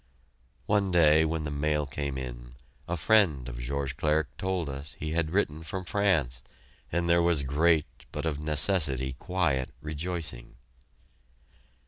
One day when the mail came in, a friend of George Clerque told us he had written from France, and there was great, but, of necessity, quiet rejoicing.